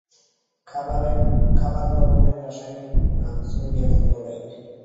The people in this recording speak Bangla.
খাবার লবণের রাসায়নিক নাম সোডিয়াম ক্লোরাইড।